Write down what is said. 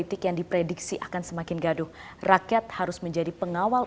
terima kasih semuanya